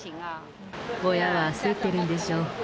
親は焦ってるんでしょう。